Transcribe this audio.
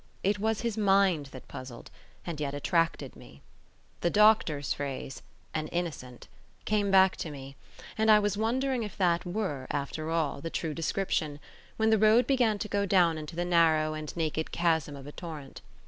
It was his mind that puzzled, and yet attracted me. The doctor's phrase—an innocent—came back to me; and I was wondering if that were, after all, the true description, when the road began to go down into the narrow and naked chasm of a torrent.